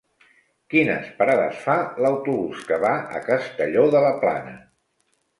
Quines parades fa l'autobús que va a Castelló de la Plana?